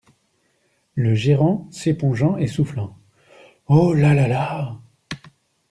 Le Gérant, s’épongeant et soufflant. — Oh ! là là là !